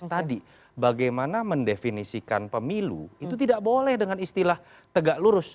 tadi bagaimana mendefinisikan pemilu itu tidak boleh dengan istilah tegak lurus